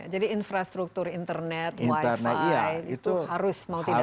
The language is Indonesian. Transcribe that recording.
jadi infrastruktur internet wifi itu harus mau tidak mau ya